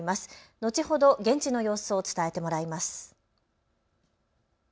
後ほど現地の様子を伝えてもらいます。